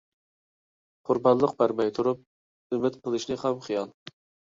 قۇربانلىق بەرمەي تۇرۇپ ئۈمىد قىلىش خام خىيال.